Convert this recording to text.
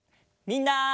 みんな。